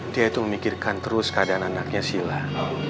dia itu memikirkan terus keadaan anaknya sila